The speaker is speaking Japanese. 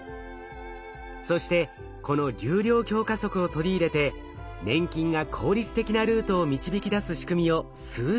そしてこの流量強化則を取り入れて粘菌が効率的なルートを導き出す仕組みを数式で表しました。